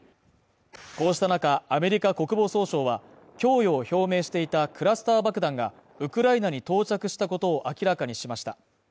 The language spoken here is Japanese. こうした中、アメリカ国防総省は供与を表明していたクラスター爆弾がウクライナに到着したことを明らかにしました。